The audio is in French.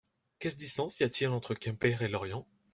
Quelle distance y a-t-il entre Quimper et Lorient ?